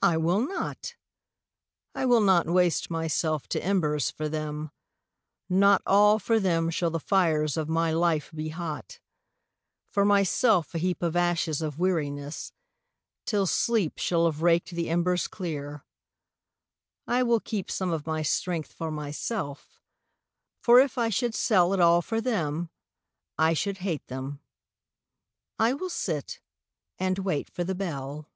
I will not! I will not waste myself to embers for them, Not all for them shall the fires of my life be hot, For myself a heap of ashes of weariness, till sleep Shall have raked the embers clear: I will keep Some of my strength for myself, for if I should sell It all for them, I should hate them I will sit and wait for the bell.